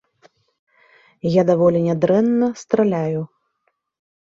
Я даволі нядрэнна страляю.